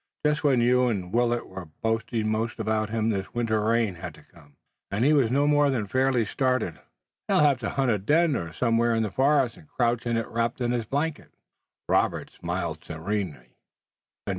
"Just when you and Willet were boasting most about him this winter rain had to come and he was no more than fairly started. He'll have to hunt a den somewhere in the forest and crouch in it wrapped in his blanket." Robert smiled serenely. "Den!